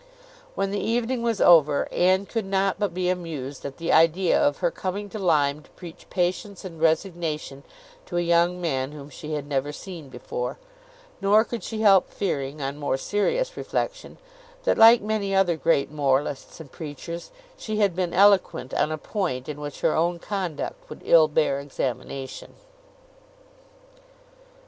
When the evening was over, Anne could not but be amused at the idea of her coming to Lyme to preach patience and resignation to a young man whom she had never seen before; nor could she help fearing, on more serious reflection, that, like many other great moralists and preachers, she had been eloquent on a point in which her own conduct would ill bear examination.